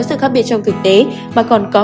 sự khác biệt trong thực tế mà còn có